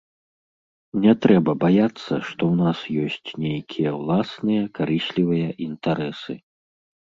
Не трэба баяцца, што ў нас ёсць нейкія ўласныя карыслівыя інтарэсы.